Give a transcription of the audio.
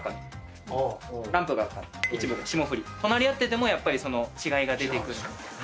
隣り合っててもやっぱり違いが出てくるので。